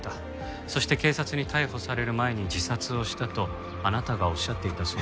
そして警察に逮捕される前に自殺をしたとあなたがおっしゃっていたそうです。